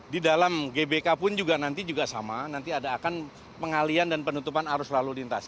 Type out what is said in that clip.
di dalam gbk pun juga nanti juga sama nanti ada akan pengalian dan penutupan arus lalu lintas